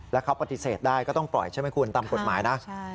แล้วเขาปฏิเสธได้ก็ต้องปล่อยใช่ไหมคุณตามกฎหมายนะ